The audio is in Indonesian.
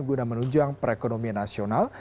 guna menunjang perekonomian nasional